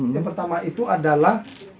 yang pertama itu adalah